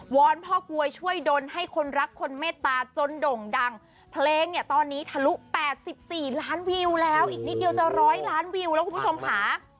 อนพ่อกวยช่วยดนให้คนรักคนเมตตาจนด่งดังเพลงเนี่ยตอนนี้ทะลุ๘๔ล้านวิวแล้วอีกนิดเดียวจะร้อยล้านวิวแล้วคุณผู้ชมค่ะ